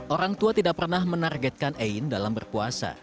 orang tua tidak pernah menargetkan ain dalam berpuasa